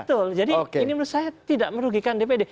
betul jadi ini menurut saya tidak merugikan dpd